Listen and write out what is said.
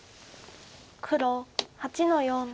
黒８の四。